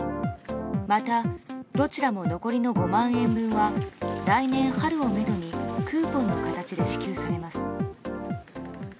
また、どちらも残りの５万円分は来年春をめどにクーポンの形で支給されます。